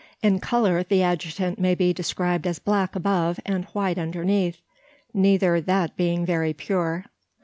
In colour the adjutant may be described as black above and white underneath, neither [that] being very pure.